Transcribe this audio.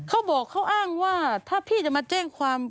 เขาบอกเขาอ้างว่าถ้าพี่จะมาแจ้งความ